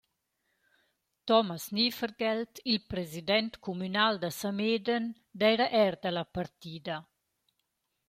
Thomas Nievergelt, il president cumünal da Samedan, d’eira eir da la partida.